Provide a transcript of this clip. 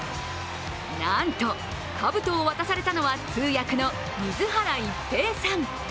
なんと、かぶとを渡されたのは通訳の水原一平さん。